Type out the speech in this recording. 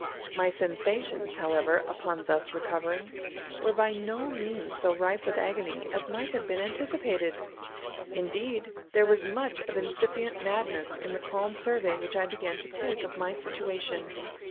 My sensations, however, upon thus recovering, were by no means so rife with agony as might have been anticipated. Indeed, there was much of incipient madness in the calm survey which I began to take of my situation.